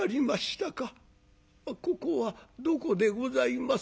ここはどこでございます？